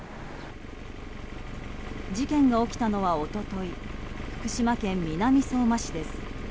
事件が起きたのは一昨日福島県南相馬市です。